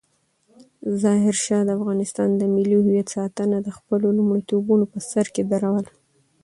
ظاهرشاه د افغانستان د ملي هویت ساتنه د خپلو لومړیتوبونو په سر کې درلودله.